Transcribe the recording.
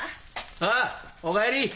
あっお帰り！